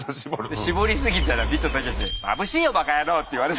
絞りすぎたらビトタケシに「まぶしいよばか野郎！」って言われ。